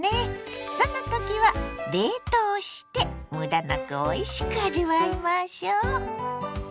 そんなときは冷凍してむだなくおいしく味わいましょ。